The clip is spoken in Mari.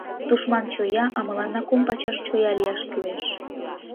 Тушман чоя, а мыланна кум пачаш чоя лияш кӱлеш.